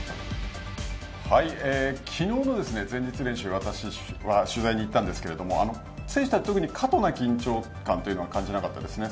昨日の前日練習私は、取材に行ったんですが選手たち特に過度な緊張感というのは感じなかったですね。